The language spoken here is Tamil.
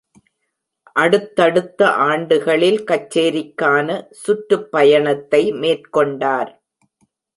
அடுத்தடுத்த ஆண்டுகளில் கச்சேரிக்கான சுற்றுப்பயணத்தை மேற்கொண்டார்.